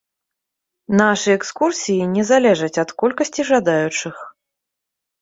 Нашы экскурсіі не залежаць ад колькасці жадаючых.